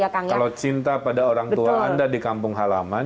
kalau cinta pada orang tua anda di kampung halaman